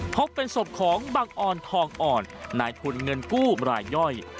พบเป็นศพของบังออนทองอ่อนนายทุนเงินกู้รายย่อย